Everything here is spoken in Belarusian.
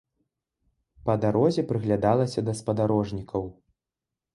Па дарозе прыглядалася да спадарожнікаў.